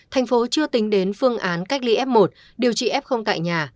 thành phố chưa tính đến phương án cách ly f một điều trị f tại nhà